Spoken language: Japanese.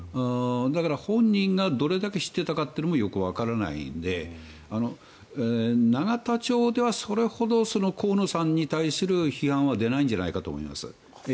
だから本人がどれだけ知っていたかもよくわからないので永田町ではそれほど河野さんに対する批判は出ないんじゃないかなと思います。